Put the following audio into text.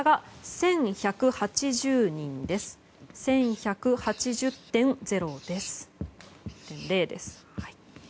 １１８０．０です。